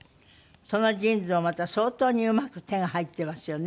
そのジーンズもまた相当にうまく手が入ってますよね。